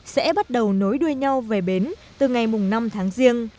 sẽ bắt đầu nối đuôi nhau về bến từ ngày năm tháng riêng